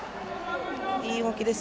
いい動きです。